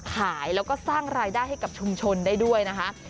ขายแล้วก็สร้างรายได้ให้กับชุมชนได้ด้วยนะคะ